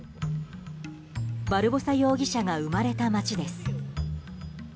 バルボサ容疑者が生まれた街です。